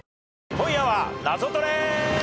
『今夜はナゾトレ』